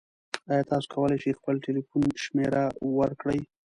ایا تاسو کولی شئ خپل تلیفون شمیره ورکړئ؟